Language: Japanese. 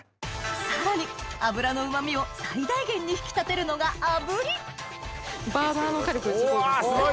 さらに脂のうま味を最大限に引き立てるのが炙りバーナーの火力がすごい。